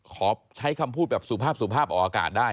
ขอใช้คำพูดแบบสุภาพสุภาพออกอากาศได้